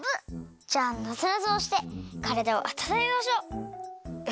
じゃあなぞなぞをしてからだをあたためましょう！え？